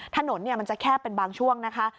ถนนมันจะแคบเป็นบางช่วงนะคะ